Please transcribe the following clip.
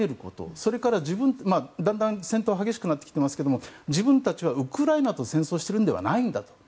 それから、だんだん戦闘が激しくなってきていますが自分たちはウクライナと戦争をしているのではないと。